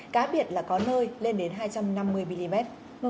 cá biệt là có nơi lên đến hai trăm năm mươi mm